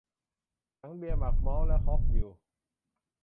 ถังเบียร์หมักมอลต์และฮอปอยู่